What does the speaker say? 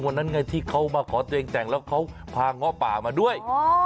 วันนั้นไงที่เขามาขอตัวเองแต่งแล้วเขาพาง้อป่ามาด้วย